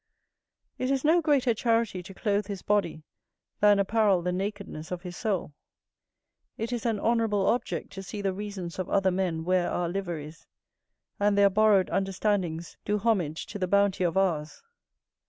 It is no greater charity to clothe his body than apparel the nakedness of his soul. It is an honourable object to see the reasons of other men wear our liveries, and their borrowed understandings do homage to the bounty of ours.